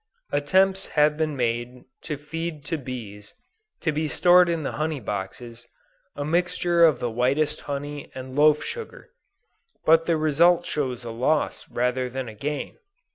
Attempts have been made to feed to bees, to be stored in the honey boxes, a mixture of the whitest honey and loaf sugar; but the result shows a loss rather than a gain.